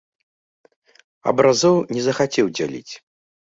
Абразоў не захацеў дзяліць.